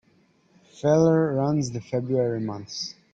Feller runs the February months.